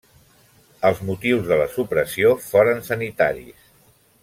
Els motius de la supressió foren sanitaris.